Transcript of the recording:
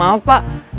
ah maaf pak